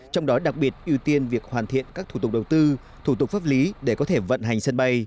trong đó đặc biệt ưu tiên việc hoàn thiện các thủ tục đầu tư thủ tục pháp lý để có thể vận hành sân bay